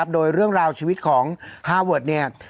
โดยเรื่องราวชีวิตของฮาวอ์วอร์ด